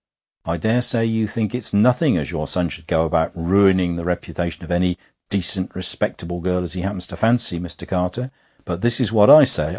I dare say you think it's nothing as your son should go about ruining the reputation of any decent, respectable girl as he happens to fancy, Mister Carter; but this is what I say.